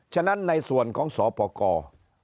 ฉะนั้นในส่วนของสปกร